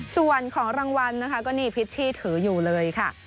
ส่วนของรางวัลก็นี่พิฝิรัตชาติถืออยู่เลยค่ะ